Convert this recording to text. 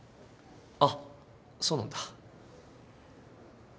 あっそうなんだ。